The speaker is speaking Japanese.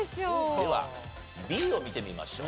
ではＢを見てみましょう。